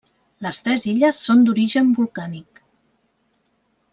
Les tres illes són d'origen volcànic.